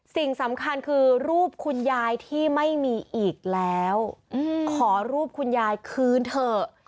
สิ่งสำคัญคือรูปคุณยายที่ไม่มีอีกแล้วขอรูปคุณยายคืนเถอะ